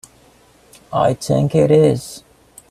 I think it is.